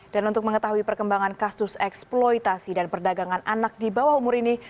dan untuk mengetahui perkembangan kasus eksploitasi dan perdagangan anak di bawah umur ini